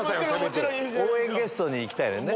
応援ゲストに行きたいねんね。